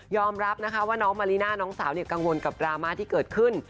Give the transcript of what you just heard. รับนะคะว่าน้องมาริน่าน้องสาวกังวลกับดราม่าที่เกิดขึ้น